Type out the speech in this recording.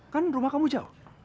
kan rumah kamu jauh